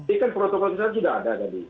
ini kan protokol kesehatan sudah ada tadi